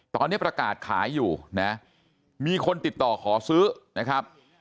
ตอนนี้ประกาศขายอยู่นะมีคนติดต่อขอซื้อนะครับ